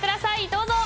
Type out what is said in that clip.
どうぞ。